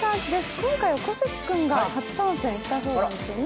今回は小関君が初参戦したそうですね。